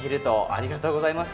ありがとうございます。